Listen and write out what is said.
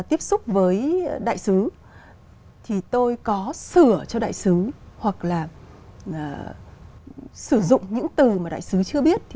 khi tiếp xúc với đại sứ thì tôi có sửa cho đại sứ hoặc là sử dụng những từ mà đại sứ chưa biết thì